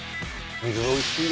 水おいしい。